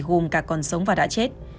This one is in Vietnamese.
gồm cả còn sống và đã chết